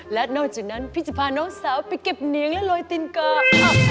และนอกจากนั้นพี่จะพาน้องสาวไปเก็บเหนียงและโรยตินกอก